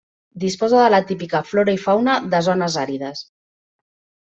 Disposa de la típica flora i fauna de zones àrides.